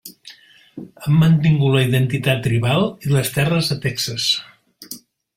Han mantingut la identitat tribal i les terres a Texas.